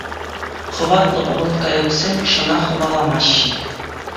Хӑватлӑ ӑмӑрткайӑксем шӑна хӑваламаҫҫӗ.